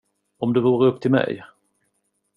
Om det vore upp till mig.